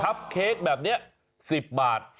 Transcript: เค้กแบบนี้๑๐บาท